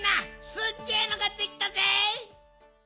すっげえのができたぜ！